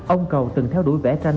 ông cầu từng theo đuổi vẽ tranh